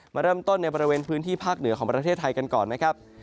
มาเริ่มต้นในบริเวณพื้นที่ภาคเหนือของประเทศไทยกันก่อนนะครับ